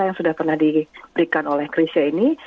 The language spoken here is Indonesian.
yang sudah pernah diberikan oleh grecia ini